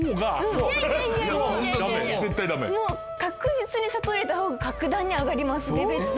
もう確実に砂糖を入れた方が格段に上がりますレベルが。